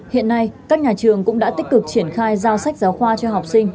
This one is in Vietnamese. hiện nay các nhà trường cũng đã tích cực triển khai giao sách giáo khoa cho học sinh